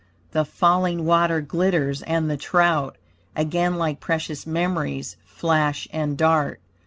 The falling water glitters, and the trout, Again, like precious memories, flash and dart.